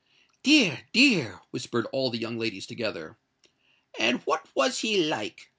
"Dear! dear!" whispered all the young ladies together. "And what was he like?"